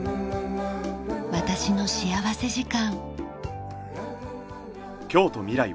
『私の幸福時間』。